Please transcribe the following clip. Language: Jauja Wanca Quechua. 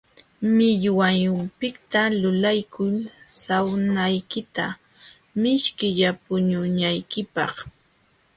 Millwapiqta lulakuy sawnaykita mishkilla puñunaykipaq.